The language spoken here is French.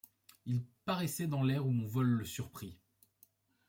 Il paraissait, dans l’air où mon vol le surprit